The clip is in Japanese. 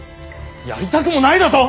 やりたくもないだと。